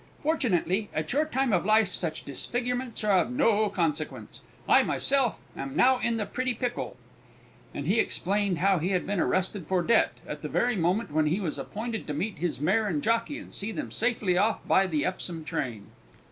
Fortunately, at your time of life such disfigurements are of no consequence. I, myself, am now in the pretty pickle." And he explained how he had been arrested for debt, at the very moment when he had an appointment to meet his mare and jockey and see them safely off by the Epsom train.